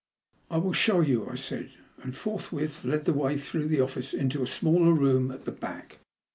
*' I will show you/' I said, and forthwith led the way through the office into a smaller room at the back.